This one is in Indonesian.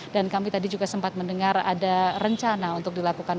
dan kami tadi juga sempat mendengar ada rencana untuk dilakukan